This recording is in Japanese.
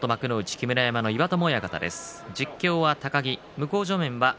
木村山の岩友親方です。